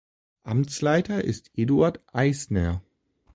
Amtsleiter ist Eduard Eisner.